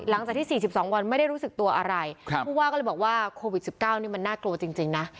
หลังจากที่สี่สิบสองวันไม่ได้รู้สึกตัวอะไรครับพูดว่าก็เลยบอกว่าโควิดสิบเก้านี่มันน่ากลัวจริงจริงนะ